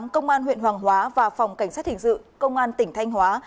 công an huyện hoàng hóa và phòng cảnh sát hình sự công an tỉnh thanh hóa